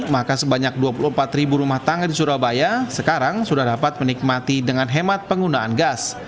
maka sebanyak dua puluh empat ribu rumah tangga di surabaya sekarang sudah dapat menikmati dengan hemat penggunaan gas